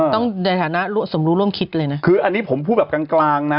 ในฐานะสมรู้ร่วมคิดเลยนะคืออันนี้ผมพูดแบบกลางกลางนะ